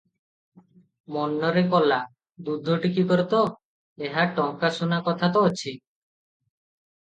ମନରେ କଲା, ଦୁଧ ଟିକିକରେ ତ ଏହା'ଟଙ୍କା ସୁନା କଥା ତ ଅଛି ।